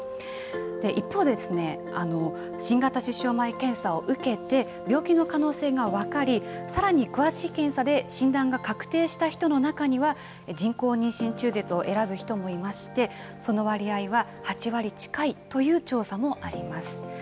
一方でですね、新型出生前検査を受けて、病気の可能性が分かり、さらに詳しい検査で診断が確定した人の中には、人工妊娠中絶を選ぶ人もいまして、その割合は８割近いという調査もあります。